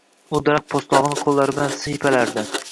U daraxt poʻstlogʻini qoʻllari bilan siypalardi.